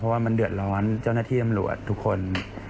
เพราะว่ามันเดือดร้อนเจ้าหน้าที่ตำรวจทุกคน